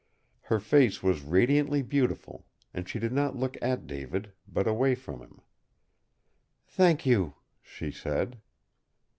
Her face was radiantly beautiful, and she did not look at David, but away from him. "Thank you," she said.